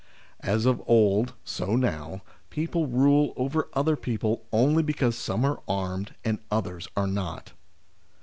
As of old so now, people rule over other people only because some are armed and others are not.